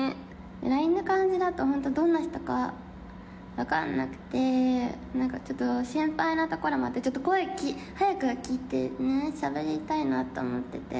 ＬＩＮＥの感じだと、本当どんな人か分かんなくて、なんかちょっと心配なところもあって、ちょっと声早く聞いて、しゃべりたいなと思ってて。